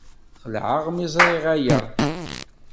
Xelɛeɣ mi ẓriɣ aya.